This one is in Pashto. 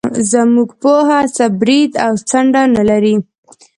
زموږ پوهنه څه برید او څنډه نه لري.